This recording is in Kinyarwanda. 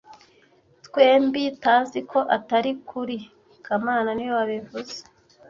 Twembi taziko atari ukuri kamana niwe wabivuze